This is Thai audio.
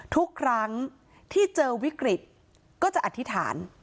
ทุกครั้งที่เจอวิกฤตก็จะอธิษฐาน